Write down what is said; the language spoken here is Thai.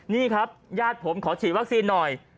นี่ครับญาติผมขอฉีดวัคซีนหน่อย